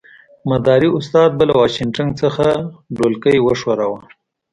مداري استاد به له واشنګټن څخه ډولکی وښوراوه.